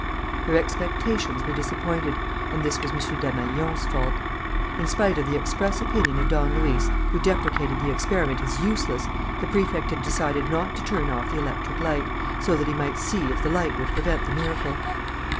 Their expectations were disappointed; and this was M. Desmalions's fault. In spite of the express opinion of Don Luis, who deprecated the experiment as useless, the Prefect had decided not to turn off the electric light, so that he might see if the light would prevent the miracle.